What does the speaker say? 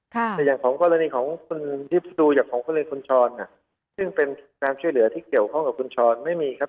แต่อย่างกรณีที่ดูอย่างกรณีของคุณชรซึ่งเป็นการช่วยเหลือที่เกี่ยวข้องกับคุณชรไม่มีครับ